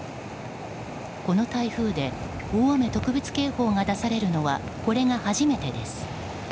この台風で大雨特別警報が出されるのはこれが初めてです。